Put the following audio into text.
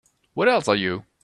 What else are you?